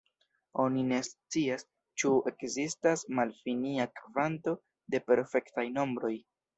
Oni ne scias, ĉu ekzistas malfinia kvanto de perfektaj nombroj.